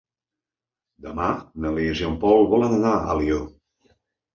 Demà na Lis i en Pol volen anar a Alió.